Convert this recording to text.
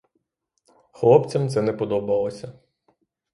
Хлопцям це не подобалося.